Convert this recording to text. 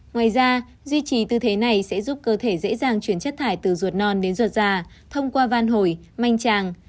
ngoài ra duy trì tư thế này sẽ giúp cơ thể dễ dàng chuyển chất thải từ ruột non đến ruột già thông qua van hồi manh tràng